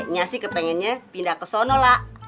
nyak sih kepengennya pindah ke sono la